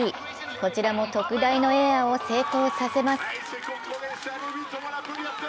こちらも特大のエアを成功させます。